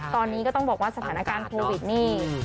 ตอนนี้ก็ต้องบอกว่าสถานการณ์โควิดนี่